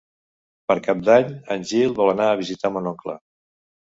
Per Cap d'Any en Gil vol anar a visitar mon oncle.